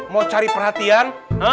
mau cari perhatian